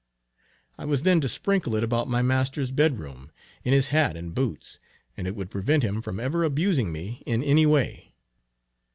I was then to sprinkle it about my master's bed room, in his hat and boots, and it would prevent him from ever abusing me in any way.